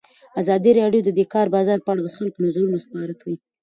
ازادي راډیو د د کار بازار په اړه د خلکو نظرونه خپاره کړي.